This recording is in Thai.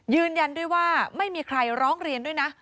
ยืนยันด้วยว่าไม่มีใครร้องเรียนด้วยนะ